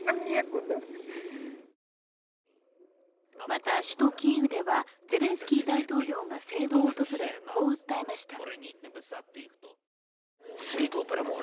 また、首都キーウではゼレンスキー大統領が聖堂を訪れ、こう訴えました。